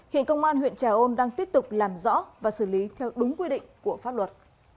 hiện công an huyện trà ôn đang tiếp tục làm rõ và xử lý theo đúng quy định của pháp luật